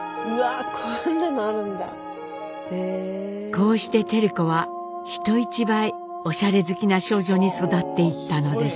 こうして照子は人一倍おしゃれ好きな少女に育っていったのです。